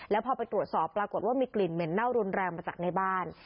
แล้วพอไปตรวจสอบปรากฏว่ามีกลิ่นเหม็นเน่ารุนแรงมาจากในบ้าน